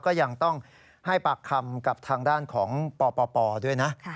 ก็ยังต้องให้ปากคำกับทางด้านของปปด้วยนะ